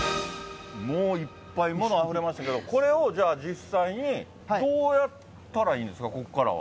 もういっぱい、ものあふれましたけども、これをじゃあ、実際にどうやったらいいんですか、ここからは。